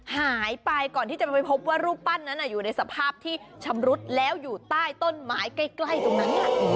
หายไปก่อนที่จะไปพบว่ารูปปั้นนั้นอยู่ในสภาพที่ชำรุดแล้วอยู่ใต้ต้นไม้ใกล้ตรงนั้น